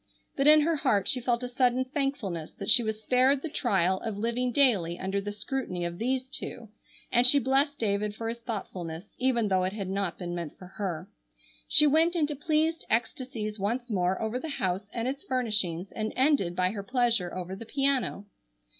But in her heart she felt a sudden thankfulness that she was spared the trial of living daily under the scrutiny of these two, and she blest David for his thoughtfulness, even though it had not been meant for her. She went into pleased ecstasies once more over the house, and its furnishings, and ended by her pleasure over the piano.